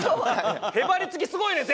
へばりつきすごいねん！